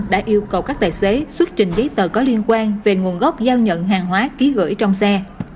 đã yêu cầu các tài xế xuất trình giấy tờ có liên quan về nguồn gốc giao nhận hàng hóa ký gửi trong xe